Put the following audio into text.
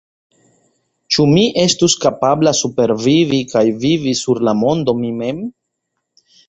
Ĉu mi estus kapabla supervivi kaj vivi sur la mondo mi mem?